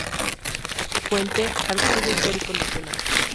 Fuente: Archivo Histórico Nacional.